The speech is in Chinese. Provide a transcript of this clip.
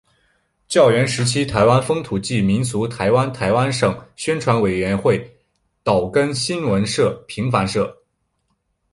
教员时期台湾风土记民俗台湾台湾省宣传委员会岛根新闻社平凡社